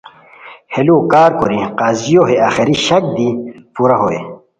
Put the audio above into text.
ہو لوؤ کارکوری قاضیو ہے آخری شک دی پورا ہوئے